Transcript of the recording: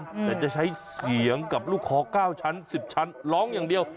แต่มันจะใช้เสียงกับลูกค้อก้าวชั้นซิบชั้นร้องอย่างเดียว